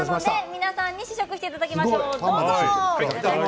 皆さんに試食していただきましょう。